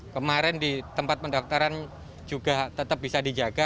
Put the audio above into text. kemarin di tempat pendaftaran juga tetap bisa dijaga